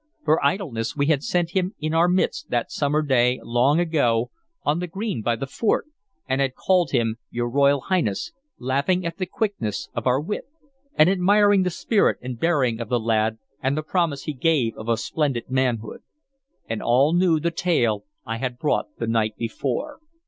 For idleness we had set him in our midst that summer day, long ago, on the green by the fort, and had called him "your royal highness," laughing at the quickness of our wit, and admiring the spirit and bearing of the lad and the promise he gave of a splendid manhood. And all knew the tale I had brought the night before.